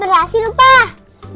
terima kasih pak